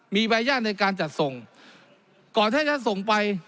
มีใบญาตในการจัดส่งก่อนถ้าจะส่งไป